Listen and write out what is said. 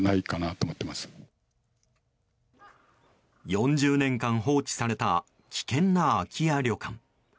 ４０年間、放置された危険な空き家旅館。